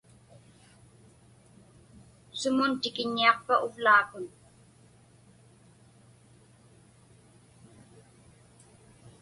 Sumun tikiññiaqpa uvlaakun?